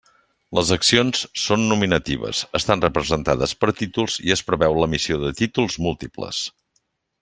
Les accions són nominatives, estan representades per títols i es preveu l'emissió de títols múltiples.